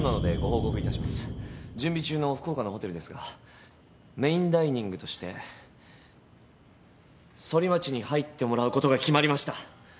準備中の福岡のホテルですがメインダイニングとしてソリマチに入ってもらうことが決まりました。